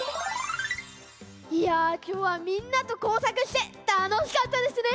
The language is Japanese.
いやきょうはみんなとこうさくしてたのしかったですね。